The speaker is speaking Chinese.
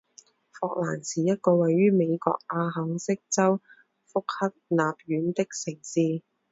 霍兰是一个位于美国阿肯色州福克纳县的城市。